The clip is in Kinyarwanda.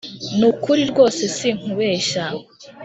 ni ukuri rwose sinkubeshya